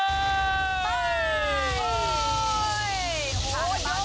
คันโซคุณสองก้อยมาเลย